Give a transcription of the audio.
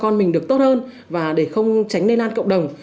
cho con mình được tốt hơn và để không tránh nây lan cộng đồng